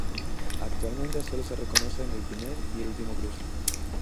Actualmente, solo se reconocen el primer y el último cruce.